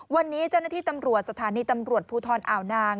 วันนี้เจ้าหน้าที่ตำรวจสถานีตำรวจภูทรอ่าวนาง